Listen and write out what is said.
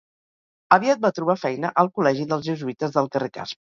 Aviat va trobar feina al Col·legi dels Jesuïtes del carrer Casp.